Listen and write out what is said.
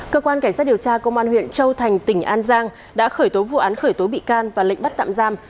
cơ quan cảnh sát điều tra công an huyện châu thành tỉnh an giang đã khởi tố vụ án khởi tố bị can và lệnh bắt tạm giam